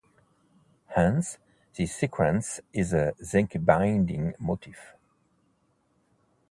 Hence, this sequence is a zinc-binding motif.